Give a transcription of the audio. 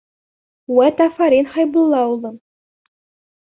Вәт, афарин, Хәйбулла улым!